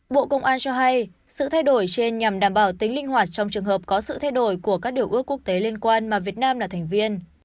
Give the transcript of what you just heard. bộ công an cho hay sự thay đổi trên nhằm đảm bảo tính linh hoạt trong trường hợp có sự thay đổi của các điều ước quốc tế liên quan mà việt nam là thành viên